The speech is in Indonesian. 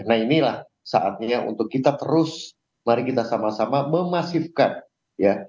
nah inilah saatnya untuk kita terus mari kita sama sama memasifkan ya